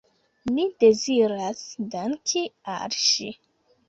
Mi deziras danki al ŝi.